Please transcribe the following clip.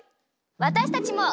わたしたちも。